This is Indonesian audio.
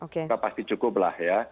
sudah pasti cukup lah ya